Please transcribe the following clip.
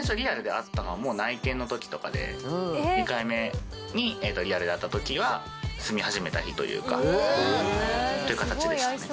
２回目にリアルで会った時は住み始めた日というかという形でしたね。